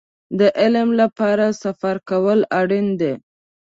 د علم لپاره سفر کول اړين دی.